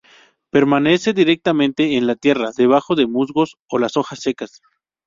Permanece directamente en la tierra, debajo de musgos o las hojas secas.